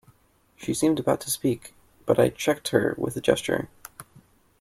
She seemed about to speak, but I checked her with a gesture.